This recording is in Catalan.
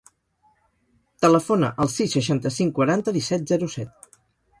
Telefona al sis, seixanta-cinc, quaranta, disset, zero, set.